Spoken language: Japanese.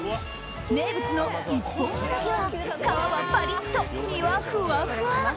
名物の一本鰻は皮はパリッと身はふわふわ。